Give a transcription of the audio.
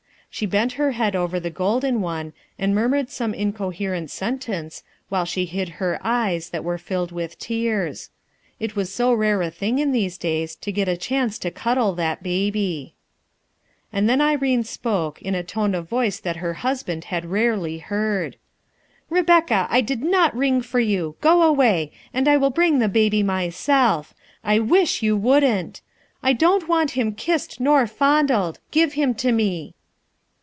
She bent her head over the golden one, and murmured some incoherent 330 RUTH ERSKINE'S SON sentence, while she hid eyes that were filled with tears. It was so rare a thing in these days to get a chance to cuddle that baby ! And then Irene spoke, in a tone of voice that her husband had rarely heard: — "Rebecca, I did not ring for you. Go away I will bring the baby myself, I misk you wouldn't I I don't want him kissed nor fondled. Give him to me."